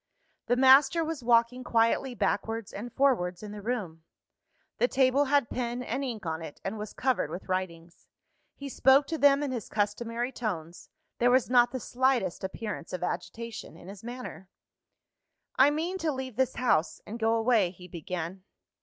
The master was walking quietly backwards and forwards in the room: the table had pen and ink on it, and was covered with writings. He spoke to them in his customary tones; there was not the slightest appearance of agitation in his manner. "I mean to leave this house, and go away," he began.